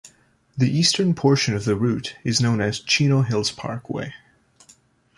The eastern portion of the route is known as Chino Hills Parkway.